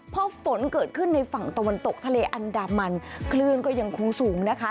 พอฝนเกิดขึ้นในฝั่งตะวันตกทะเลอันดามันคลื่นก็ยังคงสูงนะคะ